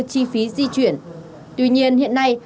chi phí di chuyển tuy nhiên hiện nay